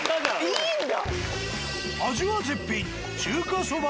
いいんだ。